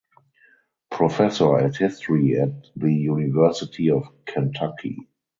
Professor of History at the University of Kentucky.